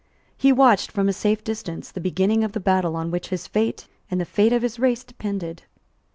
He watched, from a safe distance, the beginning of the battle on which his fate and the fate of his race depended.